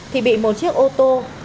thì bị một chiếc ô tô